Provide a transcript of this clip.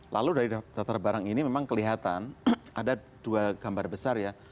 lalu dari daftar barang ini memang kelihatan ada dua gambar besar ya